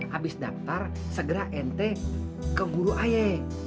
habis daftar segera ente ke guru ayek